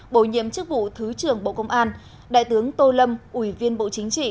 bộ nhiệm chức vụ thứ trưởng bộ công an đại tướng tô lâm ủy viên bộ chính trị